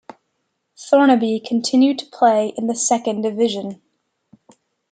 Thornaby continue to play in the second division.